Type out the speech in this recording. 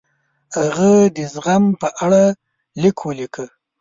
هغه د زغم په اړه لیک ولیکه.